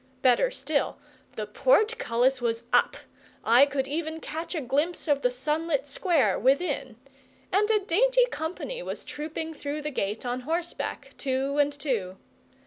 Better still, the portcullis was up I could even catch a glimpse of the sunlit square within and a dainty company was trooping through the gate on horseback, two and two.